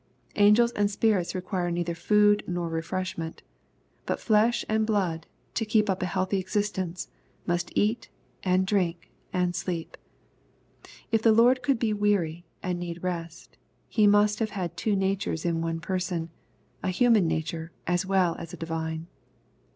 Angels and spirits require neither food nor refreshment. But flesh and blood, to keep up a healthy existe nce, m ust eat, and drink, and sleep. If the Lord Jesus coidd_be weary, and need rest, He must have had two natures in one person — a human nature as well as a divine.